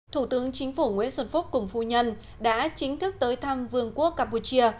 thủ tướng chính phủ nguyễn xuân phúc cùng phu nhân đã chính thức tới thăm vương quốc campuchia